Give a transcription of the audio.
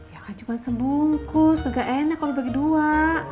ya kan cuma sebungkus gak enak kalau dibagi dua